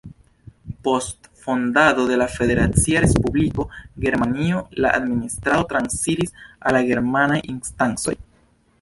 Post fondado de la Federacia Respubliko Germanio la administrado transiris al la germanaj instancoj.